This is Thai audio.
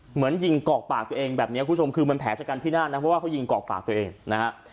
เหมือนยิงกอกปากตัวเองแบบนี้คุณผู้ชมคือมันแผลชะกันที่หน้านะเพราะว่าเขายิงกรอกปากตัวเองนะฮะ